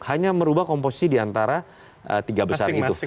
hanya merubah komposisi di antara tiga besar itu